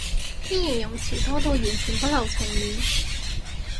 啲形容詞多到完全不留情面